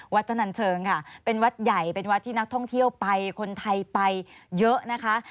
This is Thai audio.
พนันเชิงค่ะเป็นวัดใหญ่เป็นวัดที่นักท่องเที่ยวไปคนไทยไปเยอะนะคะ